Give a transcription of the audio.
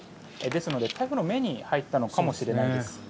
ですので台風の目に入ったのかもしれないです。